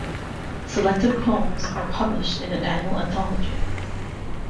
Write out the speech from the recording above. Selected poems are published in an annual anthology.